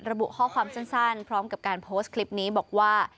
ระบุข้อความสั้นพร้อมกับการโพสต์คลิปนี้บอกว่า